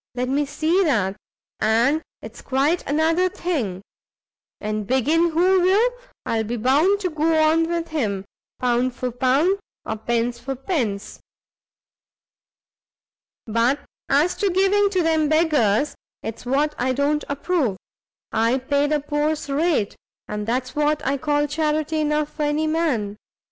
let me see that, and it's quite another thing: and begin who will, I'll be bound to go on with him, pound for pound, or pence for pence. But as to giving to them beggars, it's what I don't approve; I pay the poor's rate, and that's what I call charity enough for any man.